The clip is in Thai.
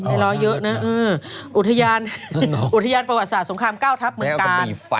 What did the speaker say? ไม่ร้อยเยอะนะอุทยานประวัติศาสตร์สงคราม๙ทัพเหมือนการ